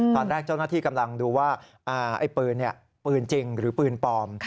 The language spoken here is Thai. ตอนแรกเจ้าหน้าที่กำลังดูว่าไอ้ปืนปืนจริงหรือปืนปลอม